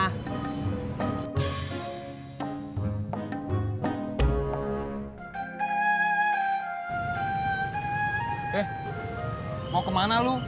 eh mau kemana lo